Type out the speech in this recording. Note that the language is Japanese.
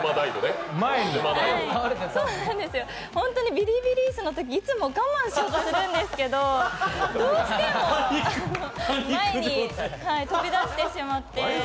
ビリビリ椅子のとき、いつも我慢しようと思うんですけど、どうしても前に飛び出してしまって。